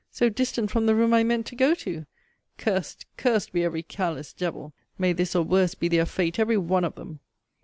so distant from the room I meant to go to! Cursed, cursed be every careless devil! May this or worse be their fate every one of them!